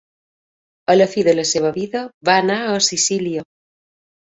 A la fi de la seva vida va anar a Sicília.